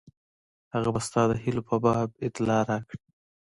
هغه به ستا د هیلو په باب اطلاع راکړي.